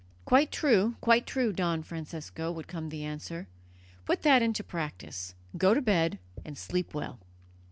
"Quite true, quite true, Don Francesco," would come the answer; "put that into practice. Go to bed and sleep well."